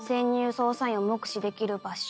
捜査員を目視できる場所。